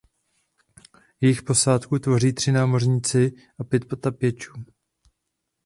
Jejich posádku tvoří tři námořníci a pět potápěčů.